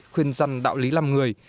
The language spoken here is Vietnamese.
khuyên dân đạo lý làm người